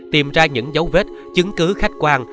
tìm ra những dấu vết chứng cứ khách quan